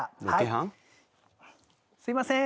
すいません。